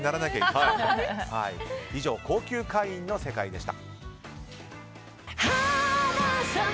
以上、高級会員の世界でした。